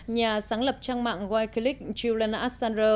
nhà sáng lập trang mạng wikileaks julian assange